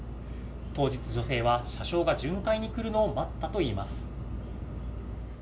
当日、女性は車掌が巡回に来るのを待ったといいます。